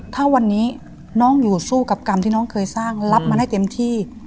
ถ้าวันนี้น้องอยู่สู้กับกรรมที่น้องเคยสร้างรับมันได้เต็มที่